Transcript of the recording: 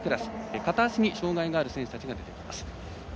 片足に障がいのある選手が出てきます。